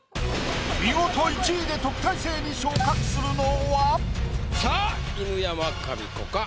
見事１位で特待生に昇格するのは⁉さあ犬山紙子か？